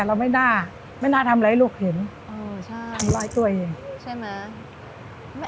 เราไม่น่าไม่น่าทำอะไรให้ลูกเห็นทำร้ายตัวเองใช่ไหม